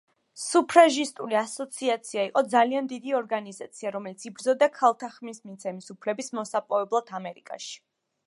სუფრაჟისტული ასოციაცია იყო ძალიან დიდი ორგანიზაცია, რომელიც იბრძოდა ქალთა ხმის მიცემის უფლების მოსაპოვებლად ამერიკაში.